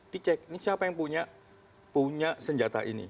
dicek ini siapa yang punya senjata ini